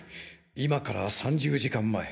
今から３０時間前。